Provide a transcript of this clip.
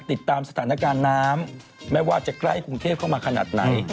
ติดตามสถานการณ์น้ำไม่ว่าจะใกล้กรุงเทพเข้ามาขนาดไหน